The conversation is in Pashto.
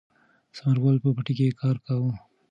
ثمر ګل په پټي کې کار کاوه.